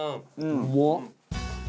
うまっ！